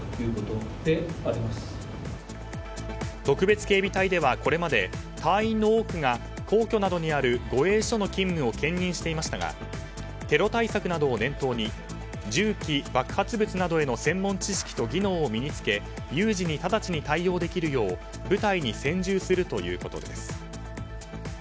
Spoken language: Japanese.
特別警備隊ではこれまで、隊員の多くが皇居などにある護衛署の勤務を兼任していましたがテロ対策などを念頭に銃器、爆発物などへの専門知識と技能を身に着け有事に直ちに対応できるよう部隊に専従するということです。